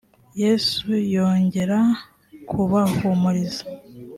yesu yongera kubahumuriza